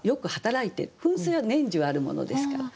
噴水は年中あるものですから。